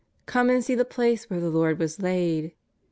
Come and see the place where the Lord was hiid.